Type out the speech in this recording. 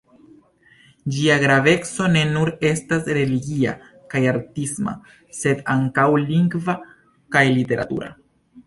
Ĝia graveco ne nur estas religia kaj artisma, sed ankaŭ lingva kaj literatura.